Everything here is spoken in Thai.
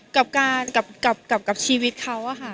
ต้องว่าน่าจะอยู่ที่สีกับชีวิตเขาค่ะ